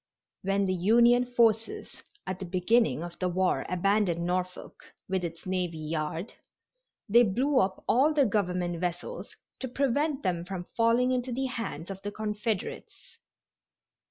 When the Union forces at the beginning of the war abandoned Norfolk, with its navy yard, they blew up all the Government vessels to prevent them from falling into the hands of the Confederates.